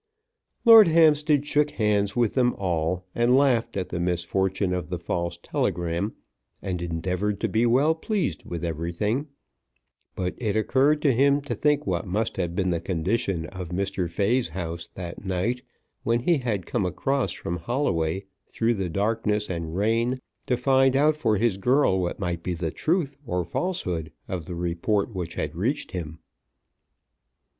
Lord Hampstead shook hands with them all, and laughed at the misfortune of the false telegram, and endeavoured to be well pleased with everything, but it occurred to him to think what must have been the condition of Mr. Fay's house that night, when he had come across from Holloway through the darkness and rain to find out for his girl what might be the truth or falsehood of the report which had reached him.